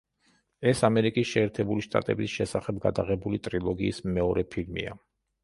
ეს ამერიკის შეერთებული შტატების შესახებ გადაღებული ტრილოგიის მეორე ფილმია.